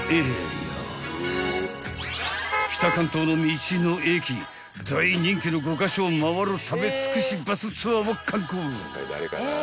［北関東の道の駅大人気の５カ所を回る食べ尽くしバスツアーを敢行］